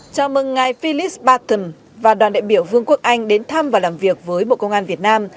chào mừng ngài philip barton và đoàn đại biểu vương quốc anh đến thăm và làm việc với bộ công an việt nam